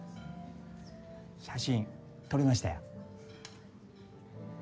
写真撮れましたよ。